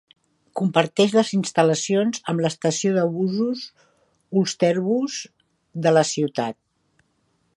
Comparteix les instal·lacions amb l'estació de busos Ulsterbus de la ciutat.